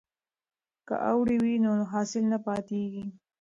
که اوړی وي نو حاصل نه پاتیږي.